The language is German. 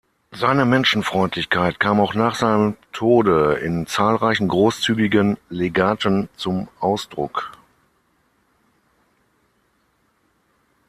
Seine Menschenfreundlichkeit kam auch nach seinem Tode in zahlreichen großzügigen Legaten zum Ausdruck.